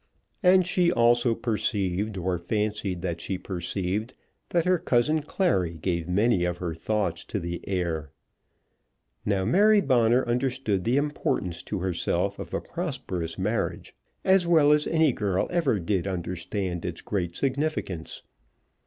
And she also perceived, or fancied that she perceived, that her cousin Clary gave many of her thoughts to the heir. Now Mary Bonner understood the importance to herself of a prosperous marriage, as well as any girl ever did understand its great significance.